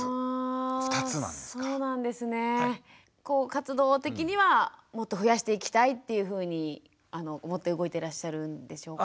活動的にはもっと増やしていきたいっていうふうに思って動いていらっしゃるんでしょうか？